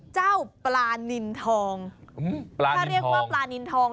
เจ้าปลานินทองปลาถ้าเรียกว่าปลานินทอง